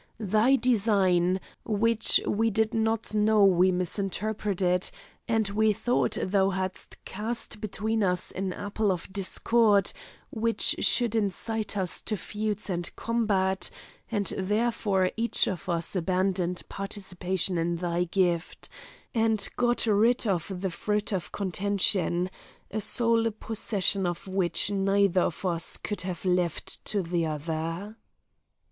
Thy design, which we did not know we misinterpreted, and we thought thou hadst cast between us an apple of discord, which should incite us to feuds and combat, and therefore each of us abandoned participation in thy gift, and got rid of the fruit of contention, a sole possession of which neither of us would have left to the other."